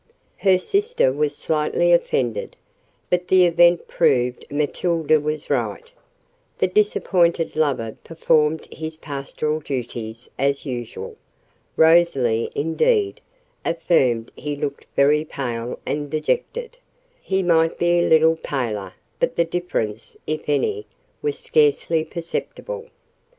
Her sister was slightly offended; but the event proved Matilda was right: the disappointed lover performed his pastoral duties as usual. Rosalie, indeed, affirmed he looked very pale and dejected: he might be a little paler; but the difference, if any, was scarcely perceptible.